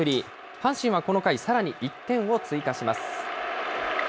阪神はこの回、さらに１点を追加します。